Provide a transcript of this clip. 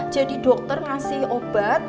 jadi dokter ngasih obat